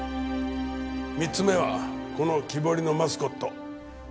３つ目はこの木彫りのマスコット。